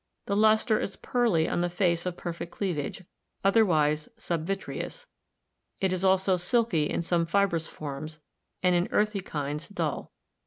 The luster is pearly on the face of perfect cleavage, otherwise subvitreous ; it is also silky in some fibrous forms and in earthy kinds dull.